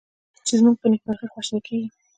چې زمونږ په نیکمرغي خواشیني کیږي